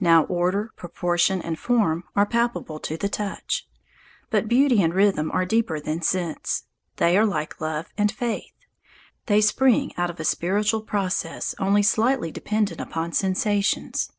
Now order, proportion, and form, are palpable to the touch. But beauty and rhythm are deeper than sense. They are like love and faith. They spring out of a spiritual process only slightly dependent upon sensations.